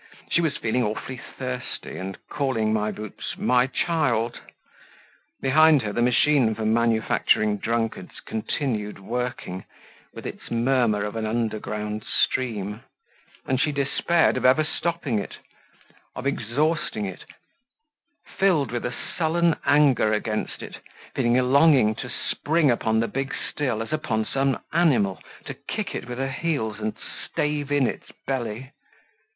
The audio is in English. She was feeling awfully thirsty, and calling My Boots "my child." Behind her the machine for manufacturing drunkards continued working, with its murmur of an underground stream; and she despaired of ever stopping it, of exhausting it, filled with a sullen anger against it, feeling a longing to spring upon the big still as upon some animal, to kick it with her heels and stave in its belly.